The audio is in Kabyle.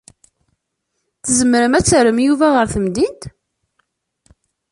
Tzemrem ad terrem Yuba ɣer temdint?